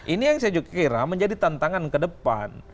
ini yang saya kira menjadi tantangan ke depan